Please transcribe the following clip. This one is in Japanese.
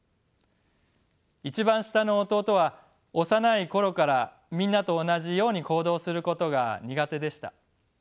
一番下の弟は幼い頃からみんなと同じように行動することが苦手でした。